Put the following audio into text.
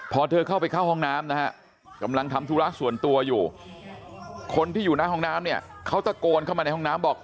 พอเธอเข้าไปเข้าห้องน้ำนะฮะกำลังทำธุระส่วนตัวอยู่คนที่อยู่หน้าห้องน้ำเนี่ยเขาตะโกนเข้ามาในห้องน้ำบอก